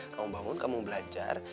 kamu bangun kamu belajar